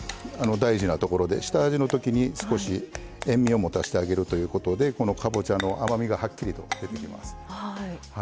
大事なところで下味の時に少し塩味を持たしてあげるということでこのかぼちゃの甘みがはっきりと出てきます。